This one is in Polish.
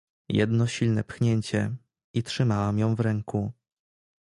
"Jedno silne pchnięcie, i trzymałem ją w ręku."